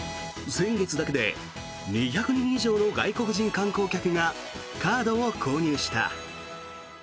先月だけで２００人以上の外国人観光客がカードを購入した。